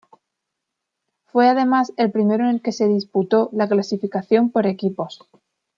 Fue además el primero en el que se disputó la clasificación por equipos.